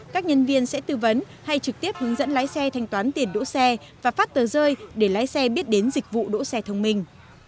các nhân viên sẽ tư vấn hay trực tiếp hướng dẫn lái xe thanh toán tiền đỗ xe và phát tờ rơi để lái xe biết đến dịch vụ đỗ xe thông minh